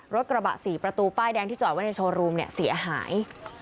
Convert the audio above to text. รถกระบะ๔ประตูป้ายแดงที่จอดไว้ในโชว์รูมเนี่ยเสียหาย